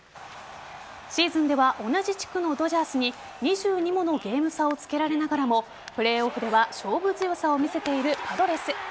シーズンでは同じ地区のドジャースに２２ものゲーム差をつけられながらもプレーオフでは勝負強さを見せているパドレス。